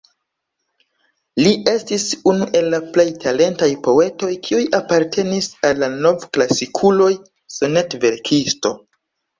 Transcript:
Li estis unu el la plej talentaj poetoj, kiuj apartenis al nov-klasikuloj, sonet-verkisto.